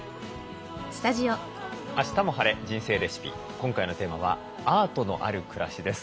今回のテーマは「アートのある暮らし」です。